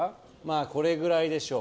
これぐらいでしょう。